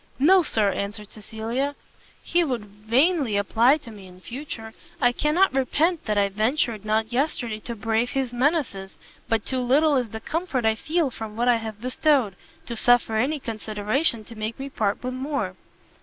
"No, Sir," answered Cecilia, "he would vainly apply to me in future: I cannot repent that I ventured not yesterday to brave his menaces, but too little is the comfort I feel from what I have bestowed, to suffer any consideration to make me part with more."